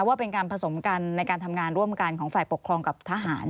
ว่าเป็นการผสมกันในการทำงานร่วมกันของฝ่ายปกครองกับทหาร